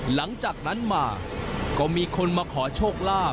หลังจากนั้นมาก็มีคนมาขอโชคลาภ